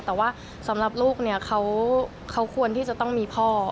แต่ว่าสำหรับลูกเนี่ยเขาควรที่จะต้องมีพ่อ